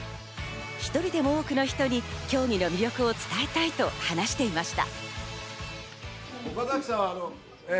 １人でも多くの人に競技の魅力を伝えたいと話していました。